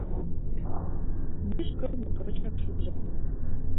Мӱшкыр моткочак шужен.